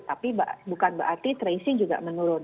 tapi bukan berarti tracing juga menurun